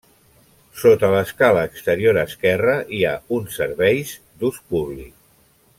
Sota l'escala exterior esquerra hi ha uns serveis d'ús públic.